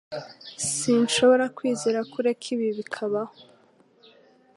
Sinshobora kwizera ko ureka ibi bikabaho